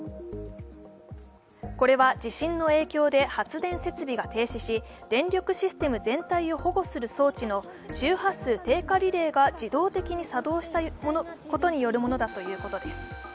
これは地震の影響で発電設備が停止し電力システム全体を保護する装置の周波数低下リレーが自動的に作動したことによるものだということです。